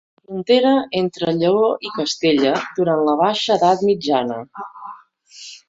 Frontera entre Lleó i Castella durant la baixa edat mitjana.